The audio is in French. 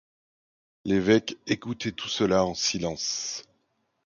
L'évêque écoutait tout cela en silence.